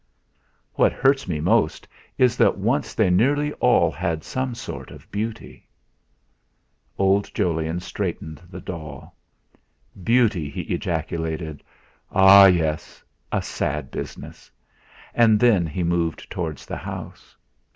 "What hurts me most is that once they nearly all had some sort of beauty." Old Jolyon straightened the doll. "Beauty!" he ejaculated: "Ha! Yes! A sad business!" and he moved towards the house.